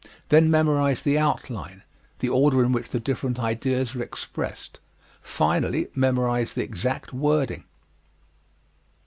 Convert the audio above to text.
Then memorize the outline, the order in which the different ideas are expressed. Finally, memorize the exact wording.